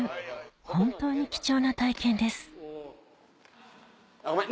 本当に貴重な体験ですあっごめん。